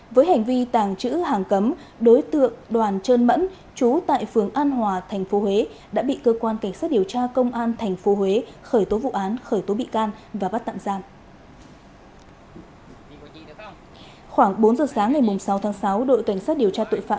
với hành vi tàng trữ hàng cấm đối tượng đoàn trơn mẫn chú tại phường an hòa tp huế đã bị cơ quan cảnh sát điều tra công an tp huế khởi tố vụ án khởi tố bị can và bắt tạm giam